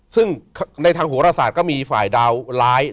ซึ่งในทางโหรศาสตร์ก็มีฝ่ายดาวร้าย